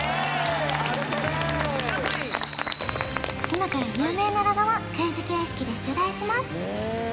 今から有名なロゴをクイズ形式で出題します